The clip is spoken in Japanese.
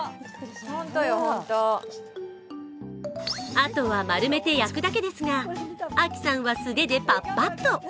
あとは丸めて焼くだけですが、亜希さんは素手でパッパと。